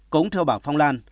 cũng theo bà phong lan